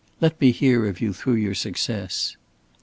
Let me hear of you through your success."